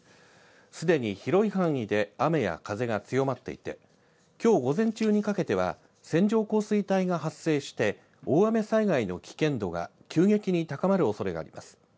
すでに広い範囲で雨や風が強まっていてきょう午前中にかけては線状降水帯が発生して大雨災害の危険度が急激に高まるおそれがあります。